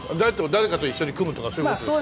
誰かと一緒に組むとかそういう事ですか？